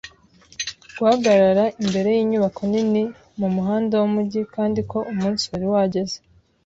guhagarara imbere yinyubako nini mumuhanda wumujyi kandi ko umunsi wari wageze